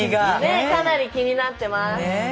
ねえかなり気になってます。